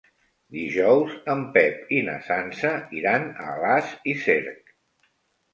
Dijous en Pep i na Sança iran a Alàs i Cerc.